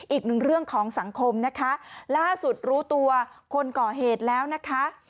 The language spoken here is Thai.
อีกหนึ่งเรื่องของสังคมนะคะล่าสุดรู้ตัวคนก่อเหตุแล้วนะคะ